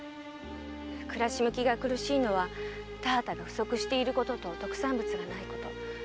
暮らし向きが苦しいのは田畑が不足していることと特産物がないこと。